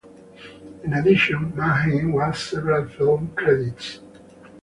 In addition, Manheim has several film credits.